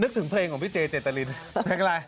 นึกถึงเพลงของพี่เจเจตะลินแปลกอะไร